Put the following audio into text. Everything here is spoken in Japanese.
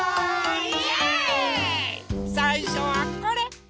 さいしょはこれ。